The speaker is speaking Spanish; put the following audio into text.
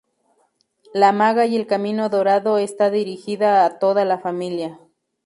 La Maga y el Camino Dorado está dirigida a toda la familia.